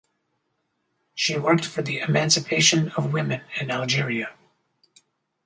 She worked for the emancipation of women in Algeria.